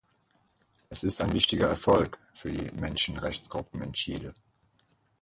Es ist auch ein wichtiger Erfolg für die Menschenrechtsgruppen in Chile.